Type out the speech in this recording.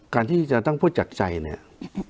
การที่จะต้องพูดจากใจเนี่ย